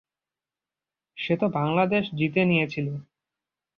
সে তো বাংলা দেশ জিতে নিয়েছিল?